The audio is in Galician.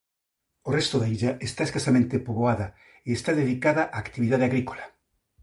O resto da illa está escasamente poboada e está dedicada á actividade agrícola.